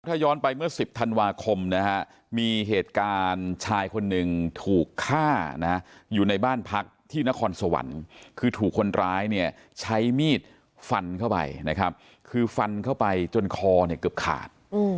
ถ้าย้อนไปเมื่อ๑๐ธันวาคมนะฮะมีเหตุการณ์ชายคนหนึ่งถูกฆ่านะอยู่ในบ้านพักที่นครสวรรค์คือถูกคนร้ายเนี่ยใช้มีดฟันเข้าไปนะครับคือฟันเข้าไปจนคอเนี่ยเกือบขาด